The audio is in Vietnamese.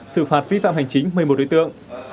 xử phạt vi phạm hành chính một mươi một đối tượng